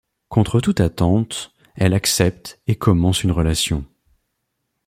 Contre toute attente, elle accepte et commence une relation.